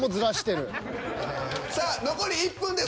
さあ残り１分です。